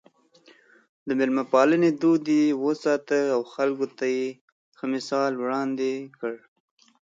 د مېلمه پالنې دود يې وساته او خلکو ته يې ښه مثال وړاندې کړ.